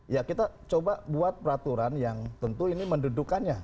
ya kita coba buat peraturan yang tentu ini mendudukannya